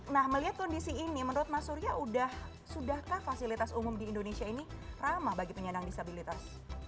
nah melihat kondisi ini menurut mas surya sudahkah fasilitas umum di indonesia ini ramah bagi penyandang disabilitas